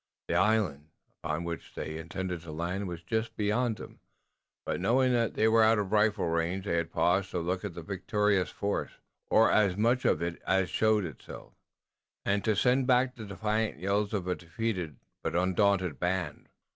The island upon which they intended to land was just beyond them, but knowing that they were out of rifle range they had paused to look at the victorious force, or as much of it as showed itself, and to send back the defiant yells of a defeated, but undaunted band.